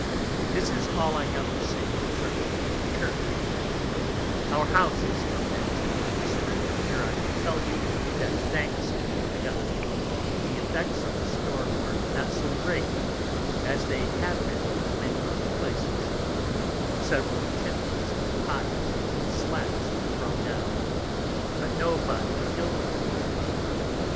This is all I have to say concerning our Church: Our Houses come next to be considered, and here I may tell you, that (thanks be to God) the effects of the Storm were not so great as they have been in many other places; several Chimneys, and Tiles, and Slats, were thrown down, but no body kill'd or wounded.